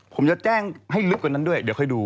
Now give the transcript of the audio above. ผมจะแจ้งให้ลึกกว่านั้นด้วยเดี๋ยวค่อยดู